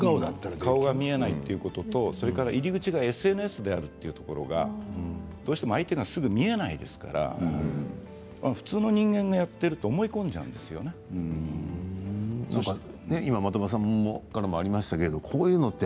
顔が見えないということと入り口がＳＮＳであるということでどうしても相手がすぐに見えないですから普通の人間がやっていると今、的場さんからもありましたけど、こういうのって